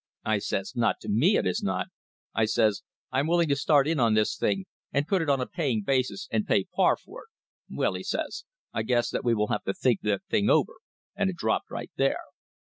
I says, 'Not to me, it is not.' I says, 'I am willing to start in on this thing and put it on a paying basis and pay par for it.' 'Well/ he says, 'I guess that we will have to think that thing over/ and it dropped right there."